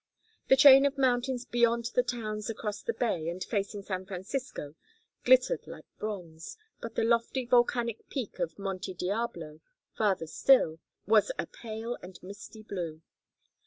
The chain of mountains beyond the towns across the bay and facing San Francisco glittered like bronze, but the lofty volcanic peak of Monte Diablo, farther still, was a pale and misty blue.